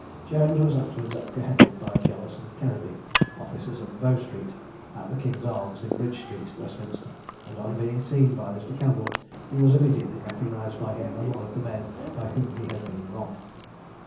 Jones was afterwards apprehended by Jealous and Kennedy, officers of Bow street, at the King's Arms, in Bridge street, Westminster, and on being seen by Mr. Campbell, he was immediately recognised by him as one of the men by whom he had been robbed.